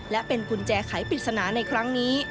และเป็นกุญแจไขปริศนาในครั้งนี้